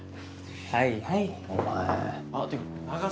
はいはい。